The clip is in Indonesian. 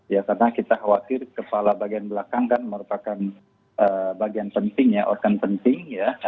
ya karena kita khawatir kepala bagian belakang kan merupakan bagian penting ya organ penting ya